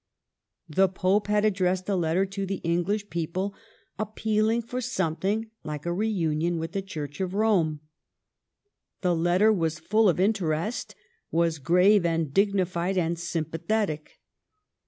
The Pope had addressed a letter to the English people, appealing for something like a reunion with the Church of Rome. The letter was full of interest, was grave and dignified and sympathetic.